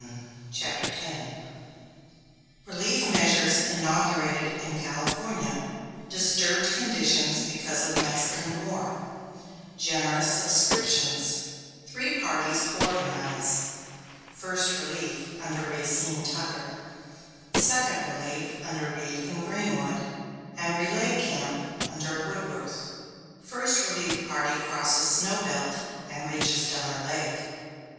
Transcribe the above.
] CHAPTER X RELIEF MEASURES INAUGURATED IN CALIFORNIA DISTURBED CONDITIONS BECAUSE OF MEXICAN WAR GENEROUS SUBSCRIPTIONS THREE PARTIES ORGANIZE "FIRST RELIEF," UNDER RACINE TUCKER; "SECOND RELIEF" UNDER REED AND GREENWOOD; AND RELAY CAMP UNDER WOODWORTH FIRST RELIEF PARTY CROSSES SNOW BELT AND REACHES DONNER LAKE.